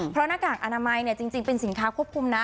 เพราะหน้ากากอนามัยจริงเป็นสินค้าควบคุมนะ